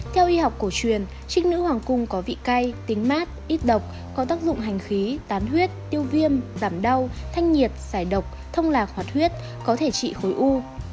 theo y học cổ truyền trích nữ hoàng cung có vị cay tính mát ít độc có tác dụng hành khí tán huyết tiêu viêm giảm đau thanh nhiệt giải độc thông lạc hoạt huyết có thể trị khối u